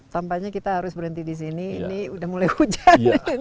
tampaknya kita harus berhenti di sini ini udah mulai hujan